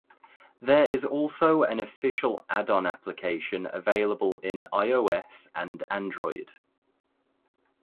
There is also an official addon application available in ios and android.